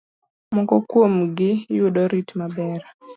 Moko kuom gi yudo rit maber.